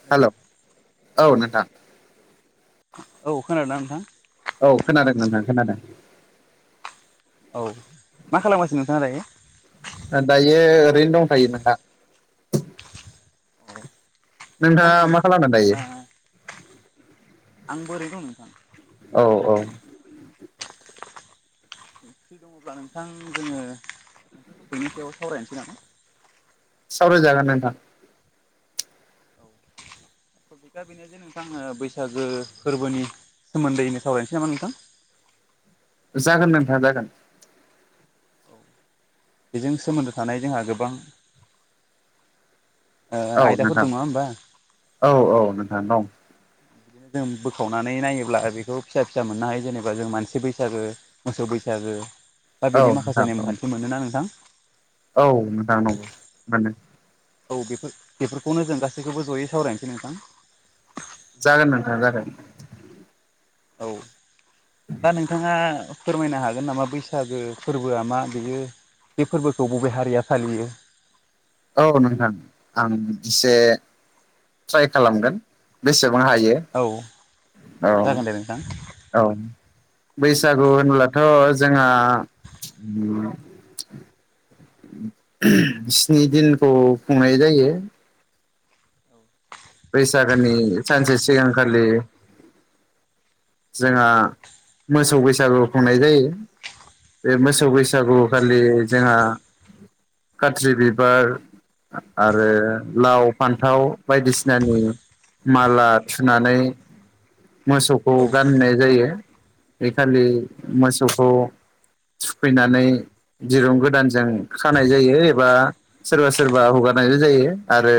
औ हेल' औ नोंथां। औ खोनादोंना नोंथां? औ खोनादों नोंथां खोनादों। औ मा खालामगाासनो नोंथाङा दायो? दायो ओरैनो दंखायोमोन नोंथां। नोंथाङा नोंथां मा एस्रि खालामदों दायो दंब्ला [unintelligible] आंबो ओरैनो दं नोंथां। औ औ फ्रि दङब्ला नोंथां जोङो मोनसे टपिकनि सायाव सावरायनोसै नामा? सावरायजागोन नोंथां। औ टबिका बेनो जे नोंथांनो बैसागो फोरबोनि सोमोन्दैनो सावरायनोसै नामा नोंथां? [inaudible] जागोन नोंथां जागोन। बेजों सोमोन्दो थानाय जोंहा गोबां ओ औ आयदाफोर नोंथां दं नङा होमबा? औ औ नोंथां दं। बिदिनो जों बोखावनानै नायोब्ला बेखौ फिसा फिसा मोननो हायो जेनेबा जों मानसि बैसागो मोसौ बैसागो गो दा औ बेनि नोंथां माखासे औ नेमखान्थि मोनोना नोंथां औ मोजां नंगौ मोनो। औ बेफोर बेफोरखौनो जों गासैखौबो जयै सावरायनोसै नोंथां। जागोन नोंथां जागोन। औ दा नोंथाङा फोरमायनो हागोन नामा बैसागो फोरबोआ मा बेयो? बे फोरबोखौ बबे हारिया फालियो? औ नोंथां आं एसे ट्राइ खालामगोन बेसे बां हायो औ औ जागोन दे नोंथां औ बै बैसागु होनब्लाथ' जोंहा ओम ओम स्नि दिनखौ खुंनाय जायो। औ बैसागोनि सानसे सिगांखालि जोंहा मोसौ बैसागु खुंनाय जायो। बे मोसौ बैसागु खालि जोंहा खाथ्रि बिबार आरो लाव फान्थाव बायदिसिना नानि माला थुनानै मोसौखौ औ गानहोनाय जायो। बे खालि मोसौखौ थुखैनानै दिरुं गोदानजों खानाय जायो एबा सोरबा सोरबा हगारना नय जायो आरो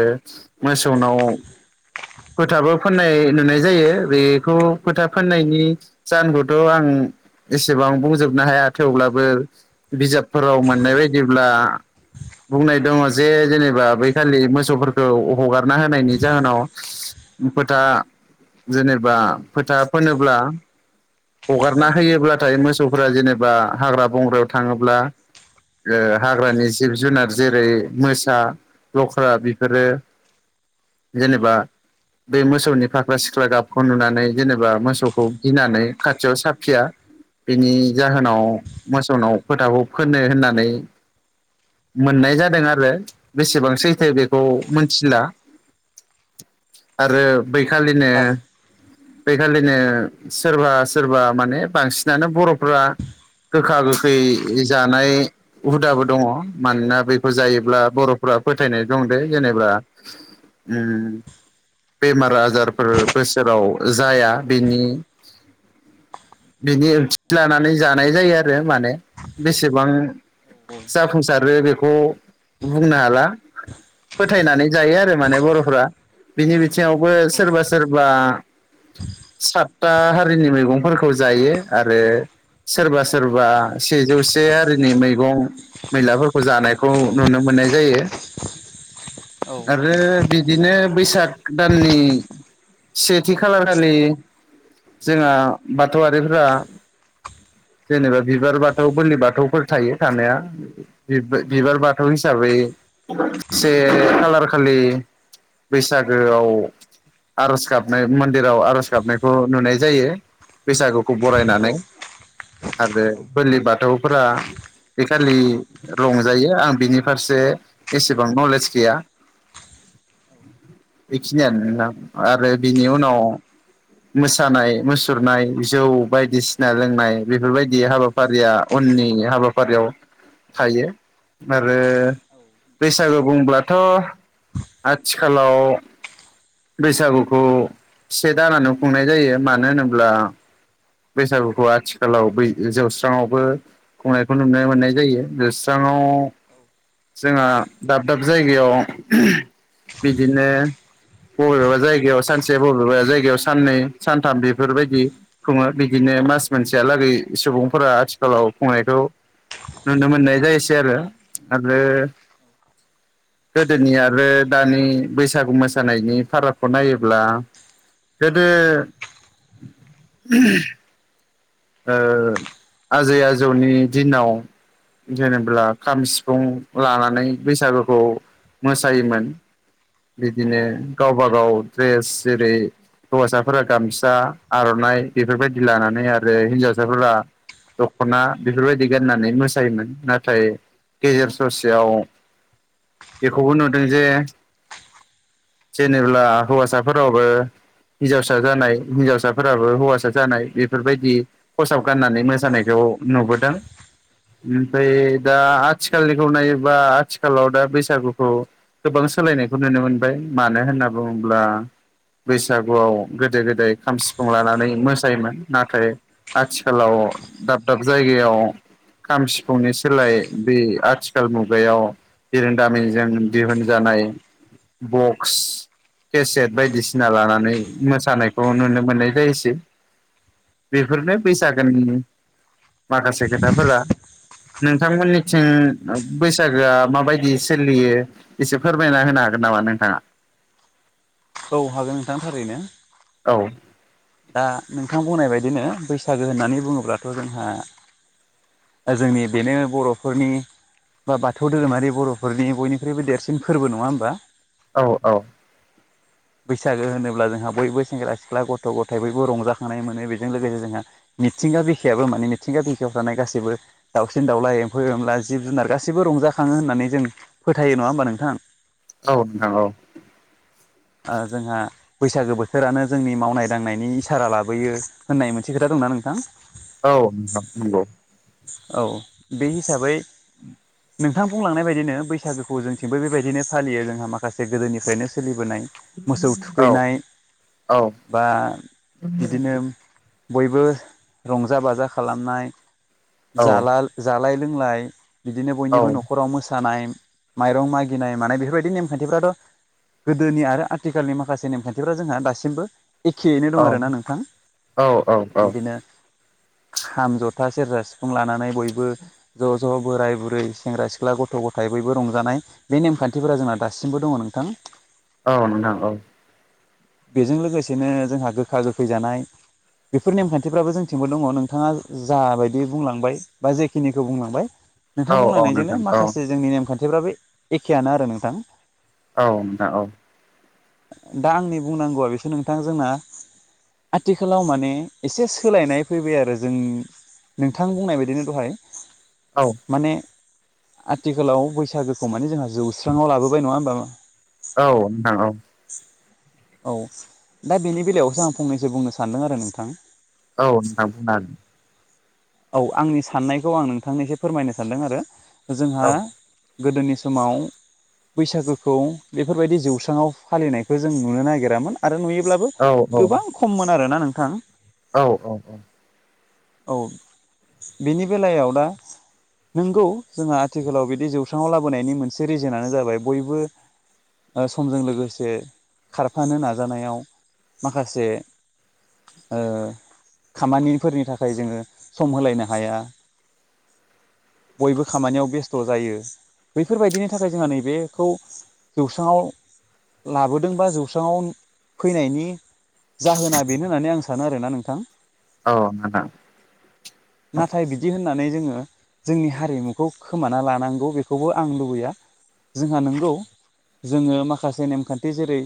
मोसौनाव [inaudible] फोथाबो फोननाय नुनाय जायो बेखौ फोथा फोननायनि जाहोनखौथ' आं एसेबां बुंजोबनो हाया थेवब्लाबो बिजाबफोराव औ मोननाय बायदिब्ला बुंनाय दङ जे जेनेबा बै खालि मोसौफोरखौ हगारना होनायनि जाहोनाव फोथा जेनेबा फोथा फोनोब्ला औ हगारना होयोब्लाथाय मोसौफोरा जेनेबा हाग्रा बंग्रायाव थाङोब्ला ओ-हाग्रानि जिब जुनार जेरै मोसा लख्रा बेफोरो। [inaudible] जेनेबा बे मोसौनि फाख्रा सिख्रा गाबखौ नुनानै जेनेबा मोसौखौ गिनानै खाथियाव साफिया। बिनि जाहोनाव मोसौनाव फोथाखौ फोननो होननानै। मोननाय जादों आरो बेसेबां सैथो बेखौ मोनथिला। आरो बैखालिनो। थार औ बेखालिनो सोरबा सोरबा माने बांसिनानो बरफ्रा गोखा गोखै जानाय हुदाबो दङ मानोना बेखौ जायोब्ला बर'फोरा। फोथायनाय दं दे जेनेबा उम। बेमार आजारफोर बोसोराव जाया बेनि। बिनि ओंथि लानानै जानाय जायो आरो माने बेसेबां। जाफुंसारो बेखौ बुंनो हाला। फोथायनानै जायो आरो माने बर' फोरा बिनि बिथिङावबो सोरबा सोरबा स्रातता हारिनि मैगंफोरखौ जायो आरो सोरबा सोरबा सेजौसे आरिनि मैगं मैलाफोरखौ जानायखौ नुनो मोन नाय जायो। [unintelligible] आरो बिदिनो बैसाग दाननि सेथि खालारखालि जोंहा बाथौआरिफोरा [unintelligible] जेनेबा बिबार बाथौ बोरलि बाथौफोर थायो थानाया बि-बिबार बाथौ हिसाबै से खालार खालि बैसागोआव आरज गाबनाय मन्दिराव आरज गाबनायखौ नुनाय जायो बैसागु खौ बरायनानै आरो बोलि बाथौफोरा बे खालि रंजायो आं बिनि फारसे एसेबां नलेज गैया। [unintelligible] बेखिनियानो नोंथां आरो बिनि उनाव मोसानाय मुसुरनाय जौ बायदिसिना लोंनाय बेफोरबायदि हाबाफारिया अन नि हाबाफारियाव थायो आरो बैसागु बुंब्लाथ' आथिखालाव बैसागुखौ से दानानो खुंनाय जायो मानो होनोब्ला बैसागुखौ आथिखालाव बै जौस्राङावबो खुंनायखौ नुनो मोननाय जायो जौस्रां आव जोंहा दाब दाब जायगायाव बिदिनो बबेबा जायगायाव सानसे बबेबा जायगायाव साननै सानथाम बेफोरबायदि खुङो बिदिनो नो मास मोनसेयालागै सुबुंफोरा आथिखालाव खुंनायखौ नुनो मोननाय जायोसै आरो आरो गोदोनि आरो दानि बैसागु मोसानायनि फारागखौ नायोब्ला गोदो [unintelligible] ओ आजै आजौनि दिनाव जेनेब्ला खाम सिफुं लानानै बैसागुखौ मोसायोमोन बिदिनो गावबा गाव ड्रेस जेरै- हौवासाफोरा गामसा आरनाइ बेफोरबायदि लानानै आरो हिनजावसाफोरा दखना बेफोरबायदि गाननानै मोसायोमोन नाथाय गेजेर ससेयाव बेखौबो नुदों जे जेनेब्ला हौवासाफोराबो हिन्जावसा जानाय हिन्जावसा फोराबो हौवासा जानाय बेफोरबाय दि खसाब गान्नानै मोसानायखौ नुबोदों। [inaudible] ओमफ्राय दा आथिखालनिखौ नायोबा आथिखालाव दा बैसागुखौ गोबां सोलाय नायखौ नुनो मोनबाय मानो होनना बुङोब्ला बैसागुआव गोदो गोदाय खाम सिफुं लानानै मोसायोमोन नाथाय आथिखालाव दाब दाब जायगायाव खाम सिफुंनि सोलाय बे आथिखाल मुगायाव बिरोंदामिनजों दिहुनजानाय बक्स केसेट बायदिसिना लानानै मोसानायखौ नुनो मोननाय जायोसै। [inaudible] बेफोरनो बैसागोनि माखासे खोथाफोरा। नोंथांमोननिथिं बैसागोआ माबायदि सोलियो एसे फोरमायना होनो हा नामा नोंथाङा? औ हागोन नोंथां थारैनो। औ। दा नोंथां बुंनाय बायदिनो बैसागो होननानै बुङोब्लाथ' जोंहा जोंनि बेनो बर'फोरनि बा बाथौ धोरोमारि बर'फोरनि बयनिख्रुइबो देरसिन फोरबो नङा होमबा? औ औ। बैसागो होनोब्ला जोंहा बयबो सेंग्रा सिख्ला गथ' गथ' -गथाय बयबो रंजाखांनाय मोनो बेजों लोगोसे जोंहा मिथिंगा बिखायाबो माने मिथिंगा बिखायाव थानाय गासैबो दाउसिन -दाउला, एम्फौ -एनला, जिब- जुनार गासैबो रंजाखाङो होननानै जों फोथायो नङा होमबा नोंथां? औ नोंथां औ। ओ जोंहा बैसागो बोथोरानो जोंनि मावनाय दांनायनि इसारा लाबोयो होननाय मोनसे खोथा दंना नोंथां? औ नोंथां नंगौ। औ बे हिसाबै [inaudible] नोंथां बुंलांनाय बायदिनो बैसागोखौ जोंथिंबो बेबायदिनो फालियो जोंहा माखासे गोदोनिफ्रायनो सोलि बोनाय मोसौ औ थुखैनाय औ बा बिदिनो बयबो रंजा -बाजा खालामनाय औ नोंथां औ जाला जालाय लोंलाय बिदिनो नोंथां औ नोंथां औ बयनिबो न'खराव मोसानाय माइरं मागिनाय मानाय बेफोरबायदि नेम खान्थिफ्रा थ' गोदोनि आरो आथिखालनि माखासे नेमखान्थिफ जोंहा दासिमबो एखेयैनो दं आरोना नोंथां बिदिनो खाम, जथा, सेरजा, सि फुं लानानै बयबो ज' ज' बोराय -बुरै सेंग्रा, सेंग्रा -सिख्ला, गथ'- गथाय बयबो रंजानाय बे नेम खान्थिफोरा जोंहा दासिमबो दङ नोंथां। औ नोंथां औ। बेजों लोगोसेनो जोंहा गोखा गोखै जानाय बेफोर नेमखान्थिफ्राबो जोंथिंबो दङ नोंथाङा जाबायदि बुंलांबाय बा जेखिनिखौ बुंलांबाय नोंथां बुंलांनायजोंनो माखासे जोंनि नेमाखान्थि फ्राबो एखेआनो आरो नोंथां। औ नोंथा औ। दा आंनि बुंनांगौआ बेसोर नोंथां जोंना आथिखालाव माने एसे सोलायनाय फैबाय आरो जों नोंथां बुंनाय बायदिनो दहाय माने आथिखालाव बैसागोखौ माने जोंहा जौस्रांआव लाबोबाय नङा होमबा? औ नोंथां औ। औ दा बेनि बेलायावसो आं फंनैसो बुंनो सानदों आरो नोंथां। औ नोंथां बुंनो हागोन। औ आंनि साननायखौ आं नोंथांनो एसे फोरमायनो सानदों आरो जोंहा हागोन गोदोनि समाव बैसागोखौ बेफोरबायदि जौस्राङाव फालिनायखौ जों नुनो नागिरामोन आरो नुयो ब्लाबो औ गोबां खममोन आरोना नोंथां । औ औ औ । औ बेनि बेलायाव दा नोंगौ जोंहा आथिखालाव बिदि जौसांआव लाबोनायनि मोनसे रिजोनानो जाबाय बयबो ओ समजों लोगोसे खारफानो नाजानायाव माखासे ओ खामानिफोरनि थाखाय जोङो सम होलायनो हाया । बयबो खामानियाव बेस्थ जायो बैफोरबायदिनि थाखाय जोंहा नैबेखौ जौस्राङाव लाबोदों बा जौस्राङआव फैनायनि जाहोना बेनो होननानै आं सानो आरोना नोंथां । औ [inaudible] नाथाय बिदि होन होननानै जोङो जोंनि हारिमुखौ खोमाना लानांगौ बेखौबो आं लुबैया जोंहा नंगौ जोङो माखासे नेमखान्थि जेरै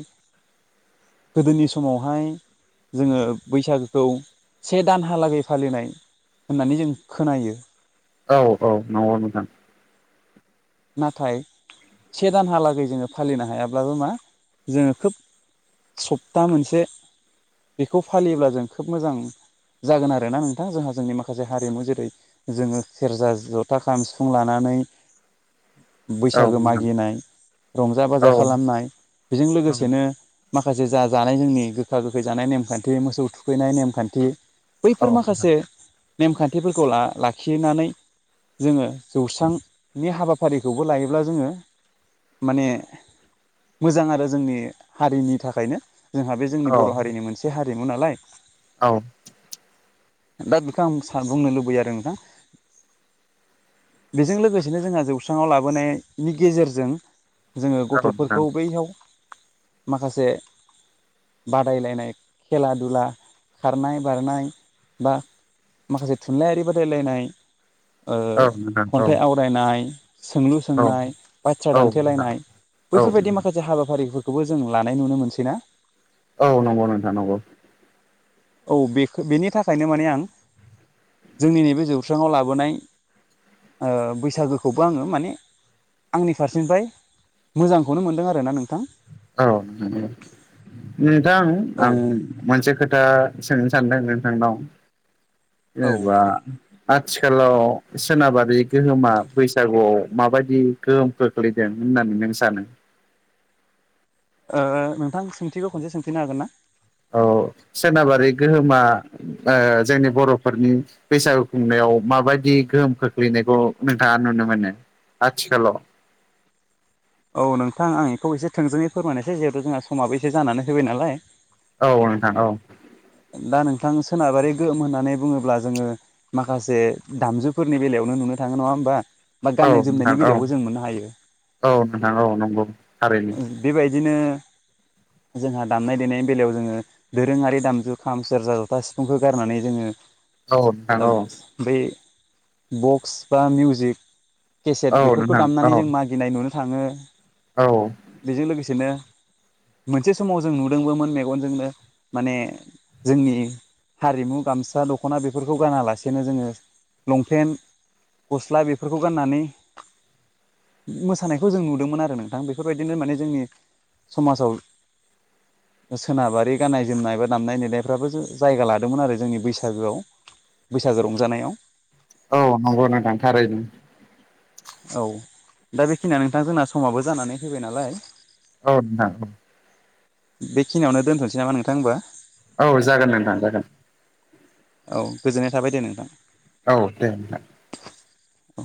गोदोनि समावहाय जोङो बैसागोखौ से दानहालागै फालिनाय होननानै जों खोनायो औ औ नंगौ नोंथां नाथाय से दानहालागै जोङो फालिनो हायाब्लाबो मा जोङो खोब सप्ता मोनसे बेखौ फालियोब्ला जों खोब मोजां जागोन आरोना नोंथां जोंहा जोंनि माखासे हारिमु जेरै जोङो सेरजा जथा खाम सिफुं लानानै [inaudible] औ बैसागो नोंथां मागिनाय रंजा औ बाजा खालामनाय बेजों लोगोसेनो माखासे जा जानाय जोंनि गोखा गोखै जानाय नेमखान्थि मोसौ थुखैनाय नेमखान्थि बैफोर नोंथां माखासे नेमखान्थिफोरखौ ला लाखिनानै जोङो जौस्रांनि हाबा फारिखौबो लायोब्ला जोङो माने मोजां आरो जोंनि हारिनि थाखायनो जोंहा बे जोंनि औ बर हारिनि मोनसे हारिमु नालाय औ दा बेखौ आं सा बुंनो लुबैयो आरो नोंथां बेजों लोगोसेनो जोंहा जौ जौसांआव लाबोनायनि गेजेरजों जोङो नोंथां गथफोरखौ बैयाव माखासे बादायलायनाय खेला दुला खारनाय बारनाय बा माखासे थुनलाइयारि बादायलायनाय ओ औ नोंथां औ खन्थाइ आवरायनाय सोंलु औ सोंनाय बाथ्रा औ नोंथां दानथेलायनाय औ बैफोरबायदि माखासे हाबाफारि खौबो जों लानाय नुनो मोनसै ना औ नंगौ नोंथां नंगौ औ बे बेनि थाखायनो माने आं जोंनि नैबे जौसांआव लाबोनाय ओ आंनि फारसेनिफ्राय मोजांखौनो मोनदों आरो ना नोंथां औ नोंथां औ आं मोनसे खोथा सोंनो सानदों नोंथांनाव औ जेनेबा आ आथिखालाव सोनाबारि गोहोमा बैसागुआव माबायदि गोहोम खोख्लैदों होननानै नों सानो नोंथां सोंथिखौ खनसे सोंफिननो हागोन ना औ सोनाबारि गोहोमा जोंनि बर'फोरनि बैसागु खुंनायाव माबायदि नि गोहोम खोख्लैनायखौ नोंथांङा नुनो मोनो आथिखालाव औ औ नोंथां आं बेखौ एसे थोंजोङै फोरमायनोसै जिहेथु जोंहा समाबो एसे जानानै होबाय नालाय औ नोंथां औ दा नोंथां सोनाबारि गोहोम होननानै बुंङोब्ला जोंङो माखासे दामजुफोरनि बेलायाव बेनो नुनो थांङो नङा होमबा बा औ गाननाय जोमनायनि नोंथां औ बेलायावबो जों मोननो हायो औ नोंथां औ नंगौ थारैनो बेबायदि बिदिनो जोंहा दामनाय देनायनि बेलायाव जोंङो दोरोंङारि दामजु खाम सेरजा जथा सिफुंखौ गारनानै जोंङो औ नोंथां औ बै बक्स बा मिउजिक केसेट औ बेफोरखौ नोंथां दामनानै औ जों मागिनाय नुनो थांङो औ बेजों लोगोसेनो मोनसे समाव जों नुदोंबोमोन मेगनजोंनो माने जोंनि हारिमु गामसा, दख'ना बेफोरखौ गानालासेनो जोंङो लंपेन्ट, गस्ला बेफोरखौ गाननानै मोसानायखौ जों नुदोंमोन आरो नोंथां बेफोरबायदिनो माने जोंनि समाजाव सोनाबारि गाननाय- जोमनाय बा दामनाय -देनाय फ्राबो जों जायगा लादोंमोन आरो जोंनि बैसागोआव बैसागो रंजानायाव औ नंगौनो दांथारो नों औ दा बेखिनिया नोंथां जोंना समाबो जानानै फैबाय नालाय औ -औ बेखिनियावनो दोनथ'नोसै नामा नोंथां होनबा औ जागोन नोंथां जागोन औ गोजोननाय थाबाय दे नोंथां औ दे अ